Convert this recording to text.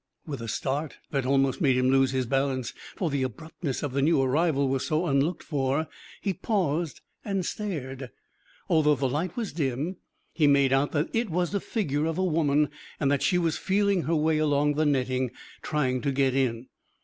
With a start that almost made him lose his balance for the abruptness of the new arrival was so unlooked for he paused and stared. Although the light was dim he made out that it was the figure of a woman and that she was feeling her way along the netting, trying to get in.